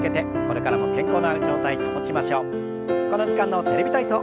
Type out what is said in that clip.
この時間の「テレビ体操」